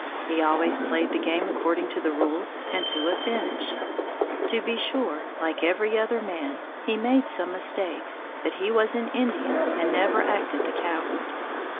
He always played the game according to the rules and to a finish. To be sure, like every other man, he made some mistakes, but he was an Indian and never acted the coward.